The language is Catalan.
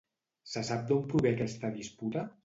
Se sap d'on prové aquesta disputa?